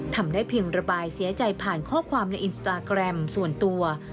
ทำได้เพียงระบายเสียใจผ่านข้อความในอินสตาแกรมส่วนตัว